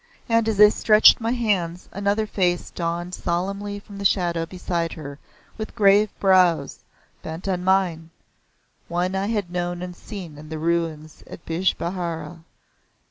And as I stretched my hands, another face dawned solemnly from the shadow beside her with grave brows bent on mine one I had known and seen in the ruins at Bijbehara.